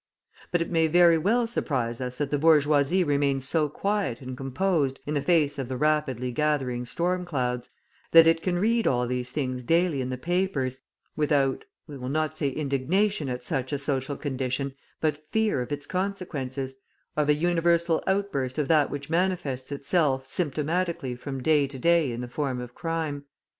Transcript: But it may very well surprise us that the bourgeoisie remains so quiet and composed in the face of the rapidly gathering storm clouds, that it can read all these things daily in the papers without, we will not say indignation at such a social condition, but fear of its consequences, of a universal outburst of that which manifests itself symptomatically from day to day in the form of crime.